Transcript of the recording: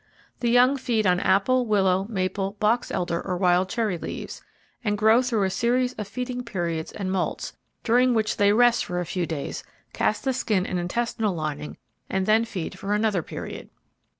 The young feed on apple, willow, maple, box elder, or wild cherry leaves; and grow through a series of feeding periods and moults, during which they rest for a few days, cast the skin and intestinal lining and then feed for another period.